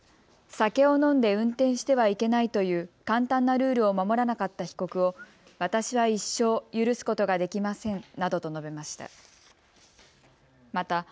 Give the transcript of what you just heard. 酒を飲んで運転してはいけないという簡単なルールを守らなかった被告を私は一生、許すことができませんなどと述べました。